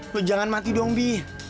gue jangan mati dong bi